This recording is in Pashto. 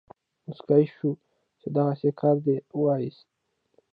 موسکی شو چې دغسې کار دې وایست.